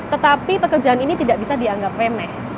tetapi pekerjaan ini tidak bisa dianggap remeh